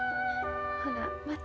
ほなまた。